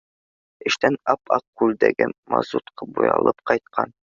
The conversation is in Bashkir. Эштән ап-аҡ күлдәге мазутҡа буялып ҡайтҡан.